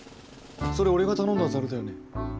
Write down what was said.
それ俺が頼んだざるだよね？